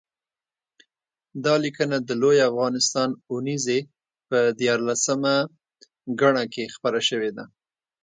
دا لیکنه د لوی افغانستان اوونیزې په یارلسمه ګڼه کې خپره شوې ده